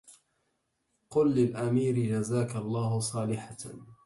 قل للأمير جزاك الله صالحة